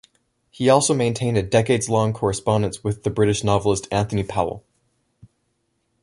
He also maintained a decades-long correspondence with the British novelist Anthony Powell.